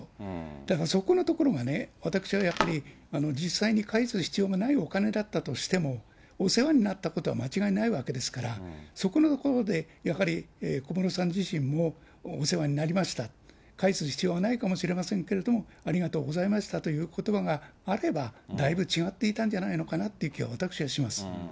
だからそこのところがね、私はやっぱり実際に返す必要がないお金だったとしても、お世話になったことは間違いないわけですから、そこのところでやはり小室さん自身もお世話になりました、返す必要はないかもしれないですけれども、ありがとうございましたということばがあれば、だいぶ違っていたんじゃないのかなという気が、私はいたします。